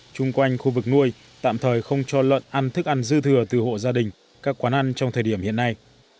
chung quanh khu vực nuôi tạm thời không cho lợn ăn thức ăn dư thừa từ hộ gia đình các quán ăn trong thời điểm hiện nay